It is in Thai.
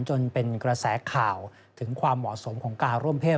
จนเป็นกระแสข่าวถึงความเหมาะสมของการร่วมเพศ